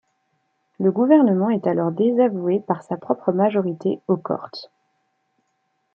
Le gouvernement est alors désavoué par sa propre majorité aux Cortes.